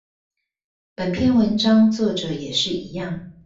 本篇文章作者也是一樣